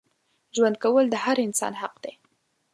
ژوند کول د هر انسان حق دی.